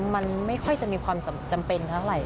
มันไม่ค่อยจะมีความจำเป็นเท่าไหร่